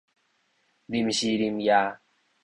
臨時臨要